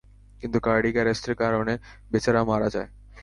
কিন্তু কার্ডিয়াক এ্যারেস্টের কারণে বেচারা মারা যায়।